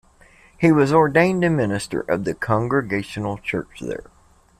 He was ordained a minister of the Congregational Church there.